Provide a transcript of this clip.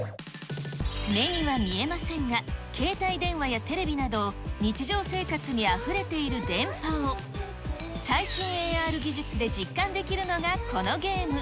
目には見えませんが、携帯電話やテレビなど、日常生活にあふれている電波を、最新ＡＲ技術で実感できるのがこのゲーム。